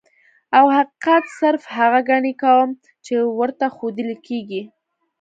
او حقيقت صرف هغه ګڼي کوم چې ورته ښودلے کيږي -